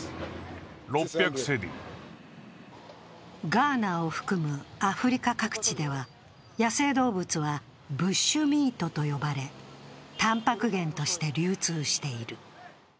ガーナを含むアフリカ各地では野生動物はブッシュミートと呼ばれたんぱく源として流通している。